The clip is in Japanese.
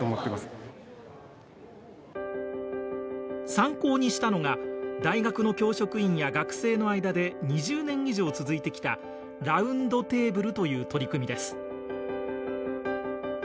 参考にしたのが大学の教職員や学生の間で２０年以上続いてきたラウンドテーブルという取り組みです。